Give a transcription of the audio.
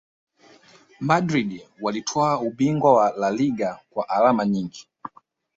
madrid walitwaa ubingwa wa laliga kwa alama nyingi